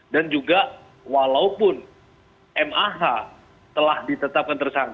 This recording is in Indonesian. dan juga walaupun mah telah ditetapkan tersangka